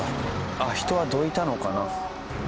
あっ人はどいたのかな？